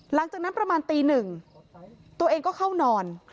หลังจากนั้นประมาณตีหนึ่งตัวเองก็เข้านอน